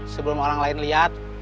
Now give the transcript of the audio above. sebelum orang lain lihat